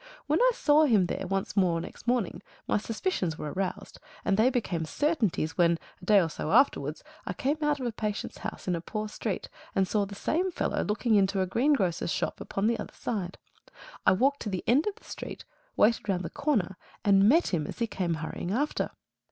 When I saw him there once more next morning, my suspicions were aroused, and they became certainties when, a day or so afterwards, I came out of a patient's house in a poor street, and saw the same fellow looking into a greengrocer's shop upon the other side. I walked to the end of the street, waited round the corner, and met him as he came hurrying after.